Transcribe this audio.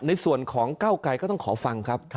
ในส่วนของก้าวไกรก็ต้องขอฟังครับ